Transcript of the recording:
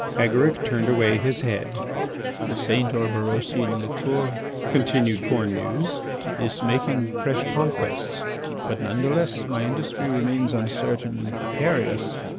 Agaric turned away his head. "The St. Orberosian liqueur," continued Cornemuse, "is making fresh conquests. But none the less my industry remains uncertain and precarious.